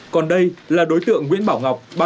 còn đây là đối tượng nguyễn bảo ngọc ba mươi sáu tuổi